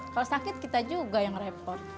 kalau sakit kita juga yang repot